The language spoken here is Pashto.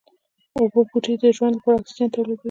اوبو بوټي د ژوند لپاره اکسيجن توليدوي